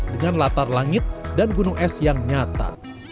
dengan latar langit dan gunung es yang nyata